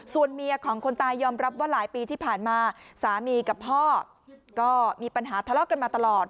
ส่วนเมียของคนตายยอมรับว่าหลายปีที่ผ่านมาสามีกับพ่อก็มีปัญหาทะเลาะกันมาตลอด